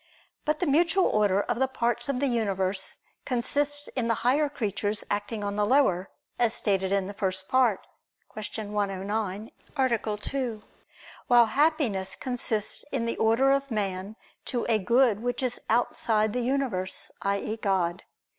But the mutual order of the parts of the universe consists in the higher creatures acting on the lower, as stated in the First Part (Q. 109, A. 2): while happiness consists in the order of man to a good which is outside the universe, i.e. God.